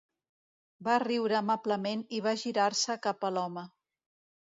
Va riure amablement i va girar-se cap a l'home.